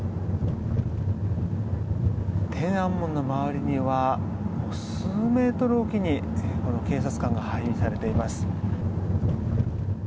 天安門の周りには数メートルおきに警察官が配置されています。